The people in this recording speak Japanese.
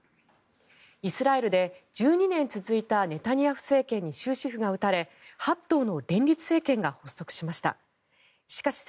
イスラエルで１２年続いたネタニヤフ政権に終止符が打たれ８党の連立政権が発足しました。